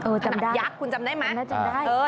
เออจำได้คุณจำได้ไหมหนักยักษ์คุณจำได้ไหมเออ